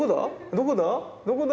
どこだ？